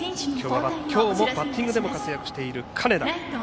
きょうもバッティングでも活躍している金田。